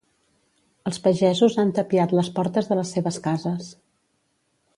Els pagesos han tapiat les portes de les seves cases.